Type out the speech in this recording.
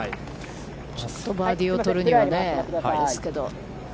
ちょっとバーディーを取るにはですけど。